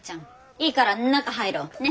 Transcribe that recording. いいから中入ろう。ね。